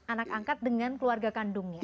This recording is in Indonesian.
anak angkat dengan keluarga kandungnya